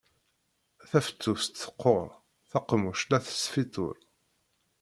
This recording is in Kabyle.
Tafettust teqqur, taqemmuct la tesfituṛ.